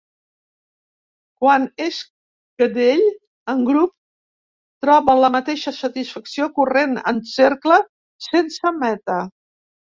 Quan és cadell, en grup, troba la mateixa satisfacció corrent en cercle, sense meta.